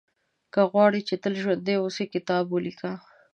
• که غواړې چې تل ژوندی اوسې، کتاب ولیکه.